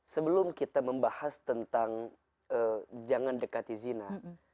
sebelum kita membahas tentang jangan dekati zina